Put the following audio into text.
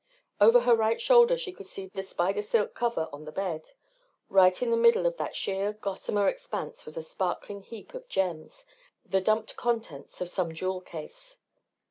Over her right shoulder she could see the spider silk cover on the bed. Right in the middle of that sheer, gossamer expanse was a sparkling heap of gems, the dumped contents of some jewel case.